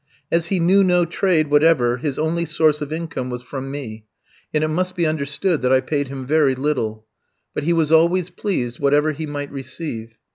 As he knew no trade whatever his only source of income was from me, and it must be understood that I paid him very little; but he was always pleased, whatever he might receive.